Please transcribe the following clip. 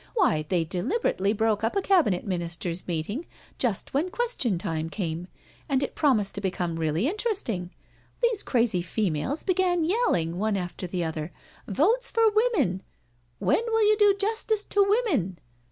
Why they deliberately broke up a Cabinet Minister's meeting just when question time came, and it promised to become really interesting. These crazy females began yelling one after the other, ' Votes for Women,' 'When will you do justice to women?